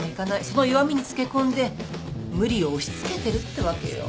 その弱みにつけ込んで無理を押し付けてるってわけよ。